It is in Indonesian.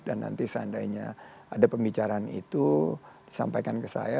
dan nanti seandainya ada pembicaraan itu disampaikan ke saya